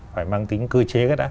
phải mang tính cơ chế hết á